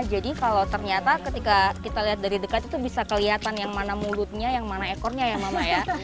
jadi kalau ternyata ketika kita lihat dari dekat itu bisa kelihatan yang mana mulutnya yang mana ekornya ya mama ya